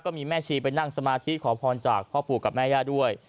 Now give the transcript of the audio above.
มีแม่ชีไปนั่งสมาธิขอพรจากพ่อปู่กับแม่ย่าด้วย